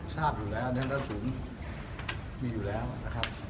ชาติอยู่แล้วนะครับ